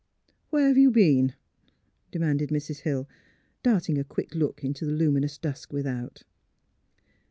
'^ Where have you been? " demanded Mrs. Hill, darting a quick look into the luminous dusk with out.